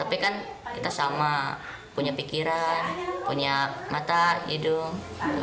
tapi kan kita sama punya pikiran punya mata hidung